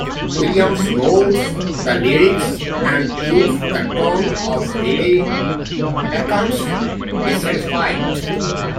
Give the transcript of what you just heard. Williams wrote the lyrics and used the tune of Riley Puckett's Dissatisfied.